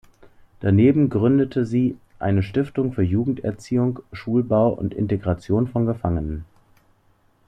Daneben gründete sie eine Stiftung für Jugenderziehung, Schulbau und Integration von Gefangenen.